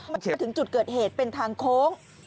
มาถึงจุดเกิดเหตุเป็นทางโค้ง